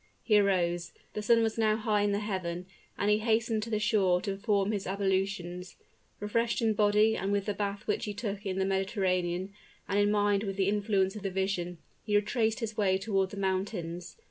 He arose. The sun was now high in the heaven, and he hastened to the shore to perform his ablutions. Refreshed in body with the bath which he took in the Mediterranean, and in mind with the influence of the vision, he retraced his way toward the mountains.